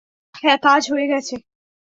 হ্যাঁ, কাজ হয়ে গেছে।